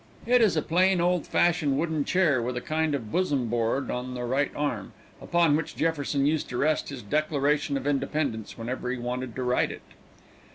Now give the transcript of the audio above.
It is a plain, old fashioned wooden chair, with a kind of bosom board on the right arm, upon which Jefferson used to rest his Declaration of Independence whenever he wanted to write it.